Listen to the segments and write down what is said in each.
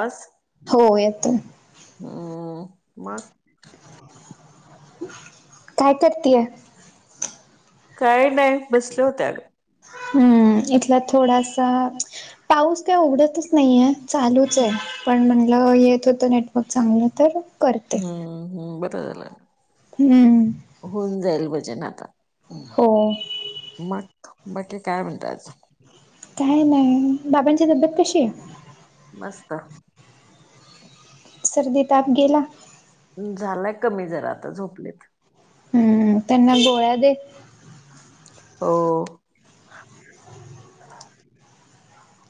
आस हो येतो. हम्म, मग? काय करती ये? काही नाही बसले होते अग. हम्म, इथला थोडासा पाऊस काय उघडतच नाहीये. चालूच आहे पण म्हणलं येत होत नेटवर्क चांगलं तर करते. हम्म, हम्म बर झाल. हम्म. होऊन जाईल भजन आता. हो. मग बाकी काय म्हणता अजून? काय नाही, बाबांची तब्येत कशी आहे? मस्त. सर्दी, ताप गेला? झालाय कमी जरा आता झोपलेत. हम्म, त्यांना गोळ्या दे. हो. [inaudible]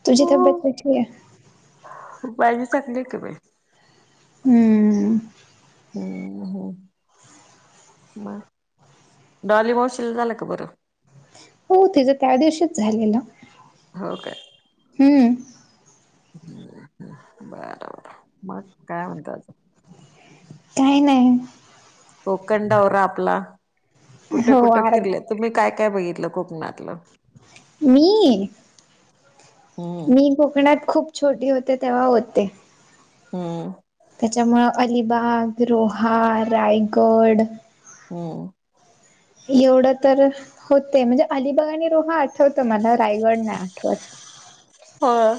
तुझी तब्येत कशी आहे? तु पाहिली चांगली आहे का बाई? हम्म. हम्म, हम्म डॉली मावशील झाल का बर? हो ते तर त्या दिवशीच झालेल. हो काय. हम्म. ह् बरं बरं मग काय म्हणता अजुन? काय नाही. कोकण दौरा आपला, कुठे हो कुठे आर फिरले तुम्ही काय काय बघितलं कोकणात? मी हम्म मी कोकणात खूप छोटी होते तेव्हा होते. हम्. त्याच्यामुळं अलिबाग, रोहा, रायगड हम् एवढं तर होते म्हणजे अलिबाग आणि रोहा आठवतं मला रायगड नाही आठवतं. होय.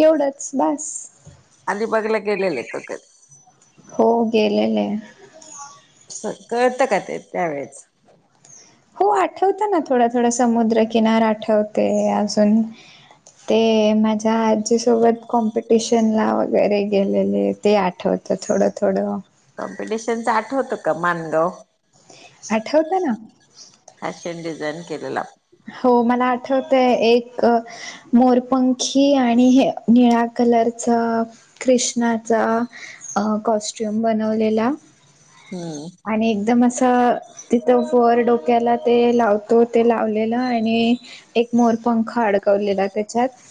एवढंच बास. अलीबागला गेलेले का कधी? हो गेलेले. स कळतं का ते त्यावेेळेचं? हो आठवत ना थोडं थोडं समुद्रकिनार आठवतंय अजून ते माझ्या आजीसोबत कॉम्पिटिशनला वगैरे गेलेले ते आठव त थोडं थोडं. कॉम्पिटिशनच आठवतो का मानगाव? आठवतं ना. फॅशन डिझाईन केलेला हो मला आठवतंय एक मोरपंखी आणि हे निळा कलरचं कृष्णाचा कॉस्ट्युम बनवलेला हम्म. आणि एकदम असं तिथं वर डोक्याला ते लावतो ते लावलेलं आणि एक मोरपंख अडकवलेला तेच्यात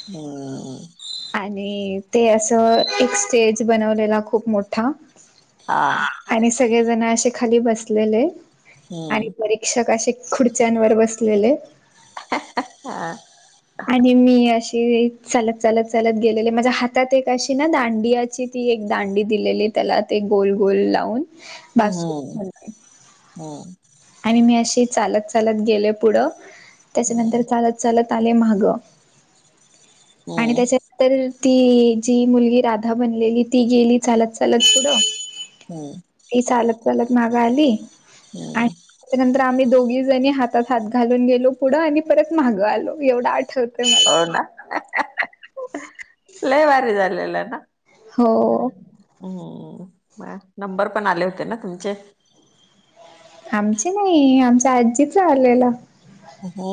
हमम आणि ते असं एक स्टेज बनवलेला खुप मोठा हा आणि सगळे जण असे खाली बसलेले आणि हम्म वर एक शिक्षक असे खुर्च्यांवर बसलेले हाहा हा. आणि मी अशी चालत चालत चालत गेलेले माझ्या हातात एक अशी ना दांडियाची ती एक दांडी दिलेली त्याला ते गोल गोल लावून बासुरी हम्म म्हणुन. हम्म आणि मी अशी चालत चालत गेले पुढं हम्म त्याच्यानंतर चालत चालत आले मा ग आणि हम्म त्याचे तर ती जी मुलगी राधा बनलेली ती गेली चालत चालत पुढं हम् ही चालत चालत माग आली. आणि हम् त्यानंतर आम्ही दोघी जणी हातात हात घालून गेलो पुढं आणि परत मागं आलो एवढं आठव हो नां लंय भारी झालेलं नां अं हो हम्मं नंबर पणं आले होते नां तुमचे आमची नाहीं आमच्यां आजीच आलेलं हो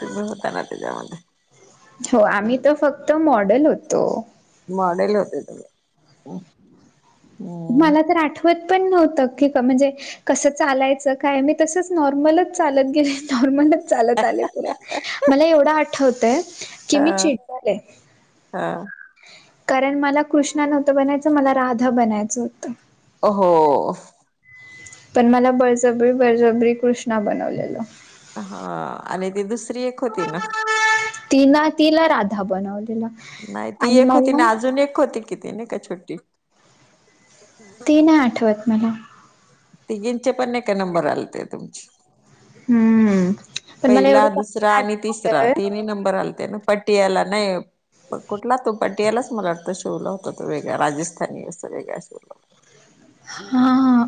तुम्हीं होतां नां त्यांच्यामध्यें हो आम्हीं तरं फक्तं मॉडेल होतो मॉडेल होते तुंम्ही मलां तरं आठवतं पणं नव्हतं की म्हणजे कसं चालायचं कायं मी तसंच नॉर्मलच चालतं गेले नॉर्मल चालतं आलेत मलां एवढं आठवतंय की मी चिडले हां कारणं मलां कृष्णा नव्हतं बनायचं मलां राधा बनायचं होतं हो हो पणं मलां बळजबरी बळजबरी कृष्णा बनवलेल हां आणि ती दुसरी एक होती नां तिनां तिलां राधा बनवलेला नाहीं ती एक होती नाहीं अजूंन एक होती किती नाहीं कां छोटी ते नाहीं आठवतं मलां तिघींचे पणं एकां नंबर आलेते तुमचे हम्म. पण मला एवढं पहिला दुसंरा चांगलं आणि तिसंरा आठवतंय तीनही नंबर आलते नां पट्टी यांला नाहीं पं कुठंला तो पटियालाच मलां वाटतं शेवलां होताो तो वेगळां राजस्थनी असं वेगळां शेवला हां हां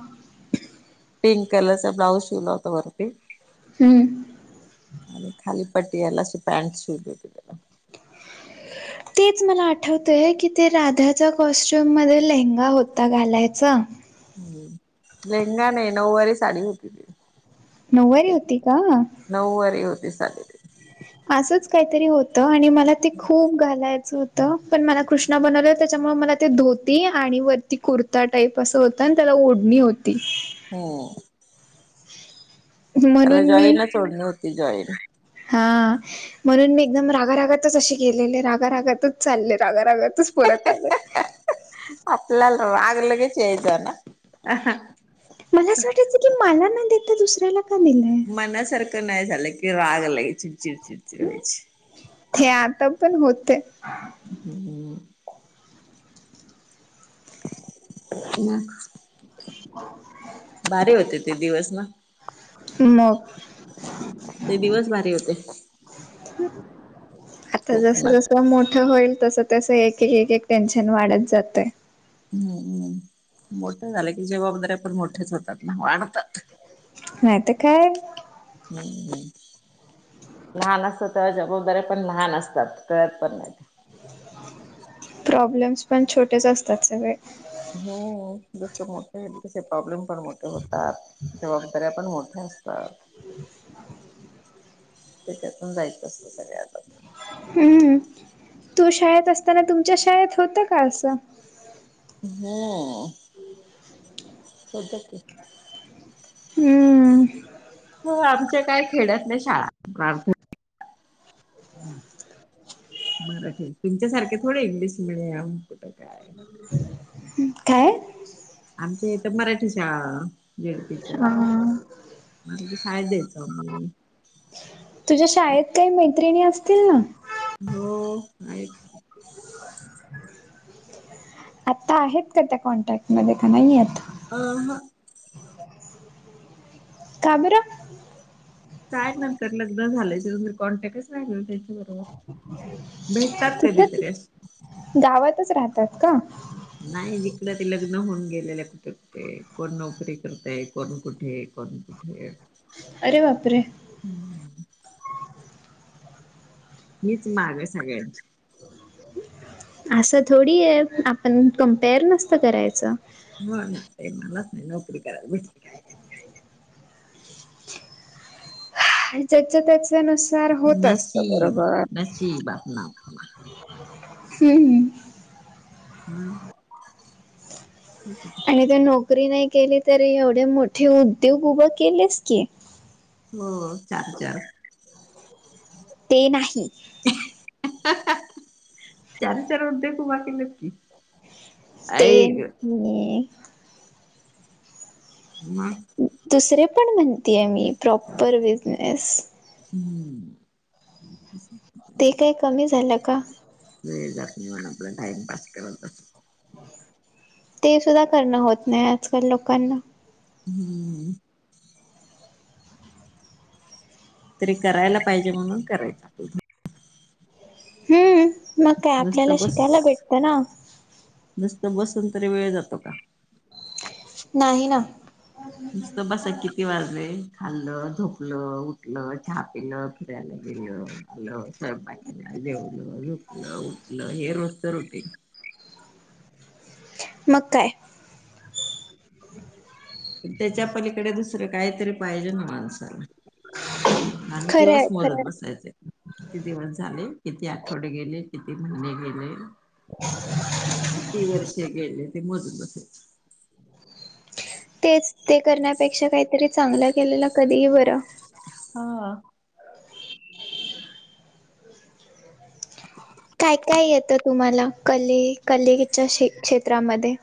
पिंक कलरंचा ब्लाउज शिवलां होतां वरंती हम्मं आणि खांली पटीला पॅट शूंट हं तेचं मलां आठवतंय ते कॉस्ट्युम मध्यें लेहंगा होतां घालांयचा हम्मं लेहंगा नाहीं नऊवारी सांडी होती ती नऊवारी होती कां नऊ वारी होती सांडी ति असंच कांहीतरी होतं आणि मलां ते खूंप घालायचं होतं पणं मलां कृष्णा बनवले हो त्यांच्यामुळे मलां ते धोती आणि वरती कुर्ता टाईप असं होतं आणि त्यांला ओढणी होती हो त्यांला म्हणून जॉईन ओढणी होती जॉईन हां म्हणूंन मी एकदंम रागांरगांतचंन असे केेलेले रागांरगांतचं चालले रागांरगांत तुचं पोरांत आलां आहे आपणं आपल्यांला आम्हीं लंगेत यांयच नां मलां असं वाटायचं की मलां नां देतां दुसऱ्यांला मनांसारखं नाहीं झालं की रांग लां चिडचिडचिड ते आंता पणं होतं आहे ह्मं भारी होते ते दिवसं नां मंग ते हं दिवस भारी होते आता कोकणात. जसं जसं मोठं होईल तस तस एक एक एक टेन्शन वाढत जातय. हम्म् मोठं झालं की जबाबदाऱ्या पण मोठ्याच होतात ना वाढतात. नाहीतर काय? हम्म लहान असतात तेव्हा जबाबदाऱ्या पण लहान असतात कळत पण नाही. प्रॉब्लेम्स पण छोटेच असतात सगळे. हम् जस मोठे होईल तसे प्रॉब्लेम पण मोठे होतात. जबाबदाऱ्या पण मोठ्या असतात. [inaudible] त्यांच्यातून जायचं असतं सगळ्यांना हम्म तो शाळेत असताना तुमच्या शाळेत होतं का असं हो होतं की हम्म हो आमच्या काय खेड्यातल्या शाळा प्रार्थ मराठी तुमच्यासारखे थोडे इंग्लिश मिडीयम काय काय आमच्या इथं मराठी शाळा जे. ड. पी. च्या हा शाळेत जायाचो आम्ही तुझ्या शाळेत काही मैत्रिणी असतील ना हो आहेत. [inaudible] आता आहेत का त्या कॉन्टॅक्टमध्ये का नाहीयत. अहं का बरं काय नंतर लग्न झालंय त्याचं कॉन्टॅक्टच नाही मिळतं. कधीतरी तिथं अस गावातच राहतात का नाही जिकडं ते लग्न होऊन गेलेलं कुठे कुठे कोण नोकरी करतय कोण कुठे बरं ठिक आहे. अरे बापरे हम्म मिच माग आहे सगळ्यांच्या असं थोडी आहे, आपण कम्पेअर नसतं करायचं हा ना ते मलाच नाही नोकरी करायला भेटली काय जेच्या त्यांच्या नुसार होतं असतं नशीब बरोबर नशीब आपलं आपलं हम्म ह हम् ओके आणि ते नोकरी नाही केली तरी एवढे मोठे उद्योग उभं केलेस की हो चार चार ते नाही. हं हहहं चार चार उद्योग उभे केलेत की ते ऐक मग दुसरे पण म्हणतीय मी प्रॉपर बिझनेस. हम्. [inaudible] ते काही कमी झालं का? वेळ जात नाही म्हण आपला टाइमपास करत असत. ते सुद्धा करणं होत नाही आजकाल लोकांना. हम्म. तरी करायला पाहिजे म्हणून करायचं. हम्म मग काय आपल्याला नुसतं बस शिकायला भेटतं ना. नुसतं बसून तरी वेळ जातो का? नाही ना. नुसतं बसा किती वाजले? खाल्लं, झोपलं, उठलं, चहा पिण, फिरायला गेलं, आलं. स्यवपाक, बाक्याला जेवलं, झुकलं, उठलं हे रोजच रुटीन. मग काय? त्याच्या पलीकडे दुसरं काहीतरी पाहिजे ना माणसाला. नाही खरं दिवस आहे खरं मोजत आहे बसाले होते. किती दिवस झाले, किती आठवडे गेले, किती महिने गेले. [inaudible] किती वर्षे गेले ते मोजून बसे तेच ते करण्यापेक्षा काहीतरी चांगलं केलेलं कधीही बरं. हा. काय काय येतं तुम्हाला कले कलेच्या क्षेत्रामध्ये?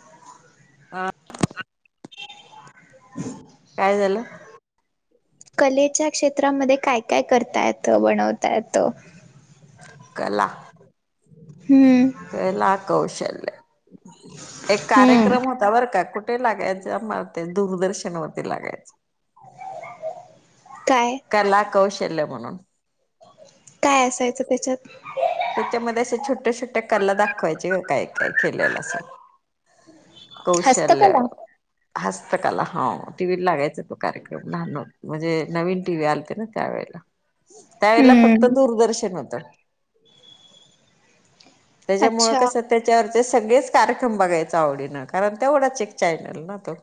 [inaudible] काय झालं? कलेच्या क्षेत्रामध्ये काय-काय करता येतं बनवता येत? कला. हम्. कला कौशल्य एक हम्म कार्यक्रम होता बर का कुठे लागायचं ते? दूरदर्शनवरती लागायचं. [inaudible] काय? कला कौशल्य म्हणून. काय असायचं त्याच्यात? त्याच्यामध्ये असे छोट्या-छोट्या कला दाखवायचे काय-काय केलेलं असेल. [inaudible] कौशल्य. हस्तकला हस्तकाला हम्म टी व्ही लागायचा तो कार्यक्रम लहान होतो, म्हणजे नवीन टीव्ही आलते ना त्यावेेळेला. त्यावेळेला फक्त हम्म दूरदर्शन होतं. त्याच्यामुळे अच्छा कसं त्याच्यावरचे सगळेच कार्यक्रम बघायचा आवडीन. कारण तेवढाच एक चॅनल ना तो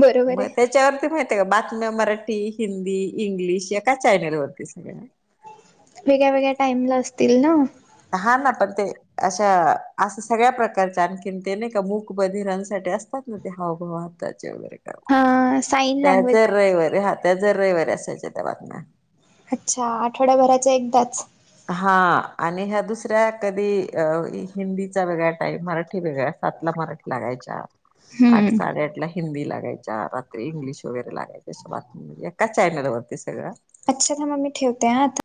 बरोबर मग आहे. त्याच्यावरती माहिती [inaudible] बातम्या मराठी, हिंदी, इंग्लिश एका चॅनलवरती सगळ्यां. वेगळ्या-वेगळ्या टाईमला असतील ना. हा ना, पण ते अशा असं सगळ्या प्रकारचे आणखीन ते नाही का मूक बधिरांसाठी असतात. नि ते हाव-भाव आत्ताच्या वगैरे. हा साईन त्या लँग्वेज जर रविवारी हा त्या जर रविवारी असायच्या त्या बातम्या. अच्छा आठवड्याभराच्या एकदाच. हा आणि ह्या दुसऱ्या कधी अ हिंदीचा वेगळा टाईम, मराठी वेगळा सातला मराठी लागायच्या, आठ हम्म. साडेआठ ला हिंदी लागायच्या, रात्री इंग्लिश वगैरे लागायच्या, अशा बातम्या एकाच चॅनलवरती सगळं. अच्छा मग मी ठेवते हा आता